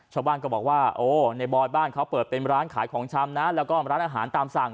ชาวบ้านก็บอกว่าโอ้ในบอยบ้านเขาเปิดเป็นร้านขายของชำนะแล้วก็ร้านอาหารตามสั่ง